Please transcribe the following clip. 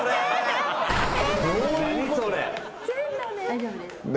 大丈夫です。